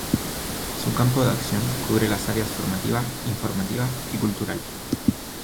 Su campo de acción cubre las áreas formativa, informativa y cultural.